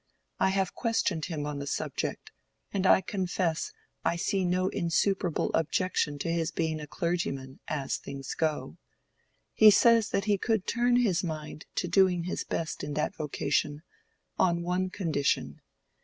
I have questioned him on the subject, and I confess I see no insuperable objection to his being a clergyman, as things go. He says that he could turn his mind to doing his best in that vocation, on one condition.